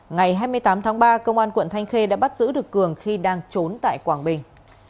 ngày hai mươi tám tháng ba công an quận thanh khê đã bắt giữ được cường khi đang trốn tại quảng bình